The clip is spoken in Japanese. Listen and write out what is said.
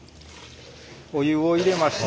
お湯を入れまして。